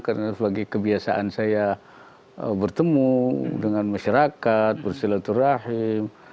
karena sebagai kebiasaan saya bertemu dengan masyarakat bersilaturahim